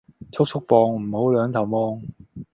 速速磅，唔好兩頭望